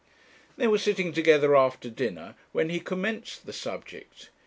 They were sitting together after dinner when he commenced the subject.